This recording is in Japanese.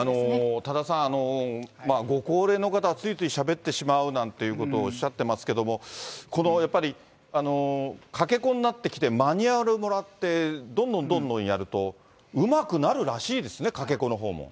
多田さん、ご高齢の方はついついしゃべってしまうなんていうことをおっしゃってますけども、やっぱり、かけ子になってきて、マニュアルもらって、どんどんどんどんやると、うまくなるらしいですね、かけ子のほうも。